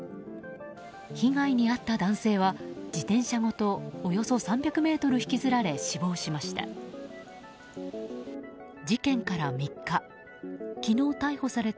被害に遭った男性は、自転車ごとおよそ３００ｍ引きずられ死亡しました。